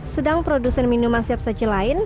sedang produsen minuman siap saji lain